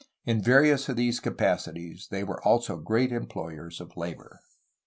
In various of these capacities they were also great employers of labor.